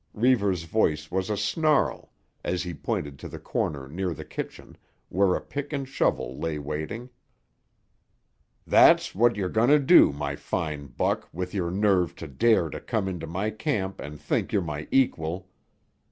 Reivers' voice was a snarl as he pointed to the corner near the kitchen, where a pick and shovel lay waiting. "That's what you're going to do, my fine buck, with your nerve to dare to come into my camp and think you're my equal.